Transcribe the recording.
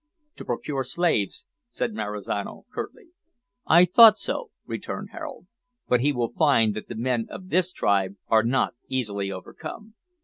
"To procure slaves," said Marizano, curtly. "I thought so," returned Harold; "but he will find that the men of this tribe are not easily overcome."